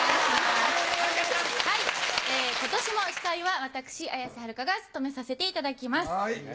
今年も司会は私綾瀬はるかが務めさせていただきます。